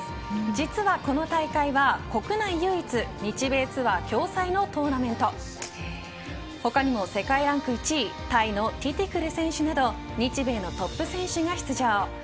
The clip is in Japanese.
実はこの大会は国内唯一、日米ツアー共催のトーナメント他にも世界ランク１位タイの選手など日米のトップ選手が出場。